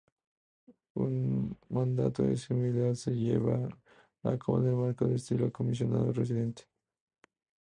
Un mandato similar se lleva a cabo en el marco del estilo Comisionado Residente.